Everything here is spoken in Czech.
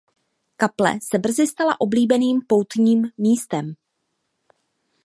Kaple se brzy stala oblíbeným poutním místem.